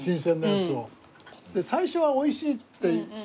最初は美味しいって。